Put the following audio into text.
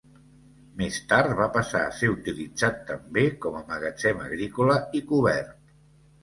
Més tard va passar a ser utilitzat també com a magatzem agrícola i cobert.